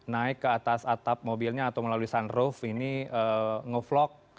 naik ke atas atap mobilnya atau melalui sunroof ini ngevlog